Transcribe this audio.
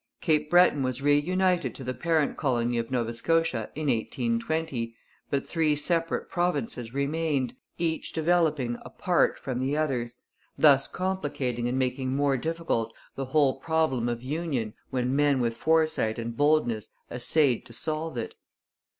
Cape Breton was reunited to the parent colony of Nova Scotia in 1820, but three separate provinces remained, each developing apart from the others, thus complicating and making more difficult the whole problem of union when men with foresight and boldness essayed to solve it.